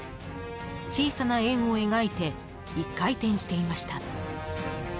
小さな円を描いて１回転していました。